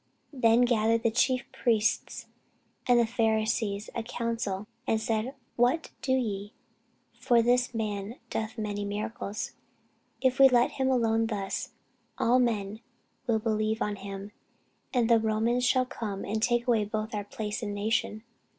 Then gathered the chief priests and the Pharisees a council, and said, What do we? for this man doeth many miracles. If we let him thus alone, all men will believe on him: and the Romans shall come and take away both our place and nation.